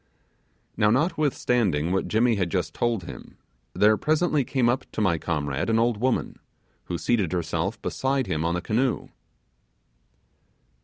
Now, notwithstanding what Jimmy had just told him, there presently came up to my comrade an old woman, who seated herself beside him on the canoe.